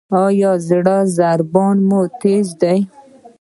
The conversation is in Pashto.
ایا د زړه ضربان مو تېز دی؟